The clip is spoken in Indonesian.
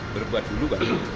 berbuat dulu banget